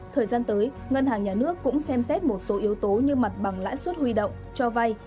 thời gian tới ngân hàng nhà nước cũng xem xét một số yếu tố như mặt bằng lãi suất huy động cho vay